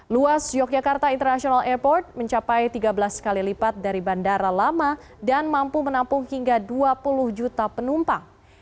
luas yogyakarta international airport mencapai tiga belas kali lipat dari bandara lama dan mampu menampung hingga dua puluh juta penumpang